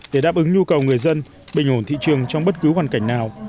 để đáp ứng nhu cầu người dân bình ổn thị trường trong bất cứ hoàn cảnh nào